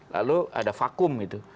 lalu ada vakum gitu